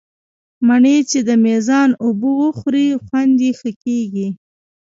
مڼې چې د مېزان اوبه وخوري، خوند یې ښه کېږي.